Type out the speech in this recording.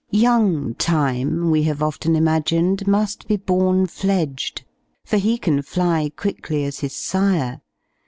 Young Time, we have often imagined, must be born fledged; for he can fly quickly as his sire!